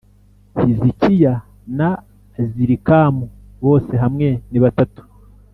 Hizikiya na Azirikamu bose hamwe ni batatu